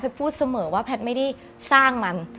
พูดเสมอว่าแพทย์ไม่ได้สร้างมัน